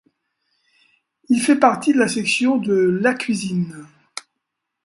Il fait partie de la section de Lacuisine.